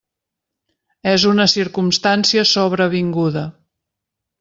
És una circumstància sobrevinguda.